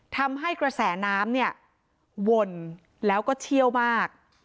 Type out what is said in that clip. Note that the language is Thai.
ทำให้กระแสน้ำเนี่ยวนแล้วก็เชี่ยวมาก